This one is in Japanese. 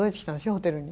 ホテルに。